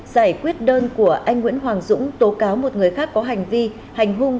giải quyết đơn của anh nguyễn hoàng dũng tố cáo một người khác có hành vi hành hung